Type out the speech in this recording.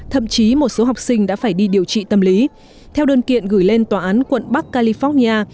thậm chí một số học sinh đã phải đi điều trị tâm lý theo đơn kiện gửi lên tòa án quận bắc california